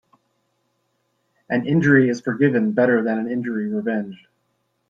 An injury is forgiven better than an injury revenged.